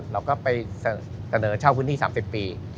เราก็ไปเสนอเช่าพื้นที่๓๐ปี